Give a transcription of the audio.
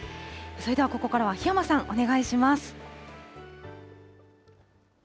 それではここからは檜山さん、お願いします。